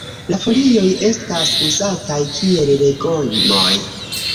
La folioj estas uzataj kiel legomoj.